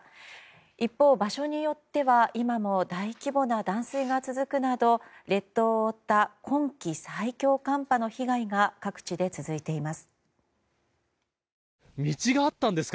一方、場所によっては今も大規模な断水が続くなど列島を覆った今季最強寒波の被害が各地で続いています。